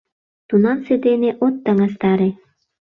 — Тунамсе дене от таҥастаре...